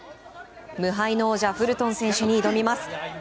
無敗の王者フルトン選手に挑みます。